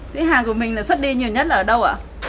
thế hàng của mình là xuất đi nhiều nhất ở đâu ạ